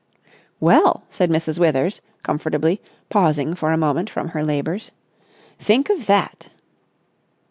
"Well!" said Mrs. Withers, comfortably, pausing for a moment from her labours. "Think of that!"